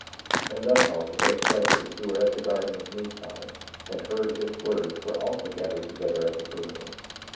9:11 And thus also those judges who were at the garden of Nephi, and heard his words, were also gathered together at the burial.